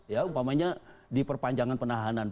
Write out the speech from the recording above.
ya umpamanya diperpanjangan penahanan